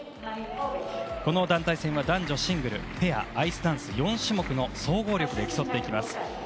この団体戦は男子シングルペア、アイスダンス４種目の総合力で競います。